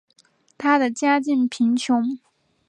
她的家境贫穷。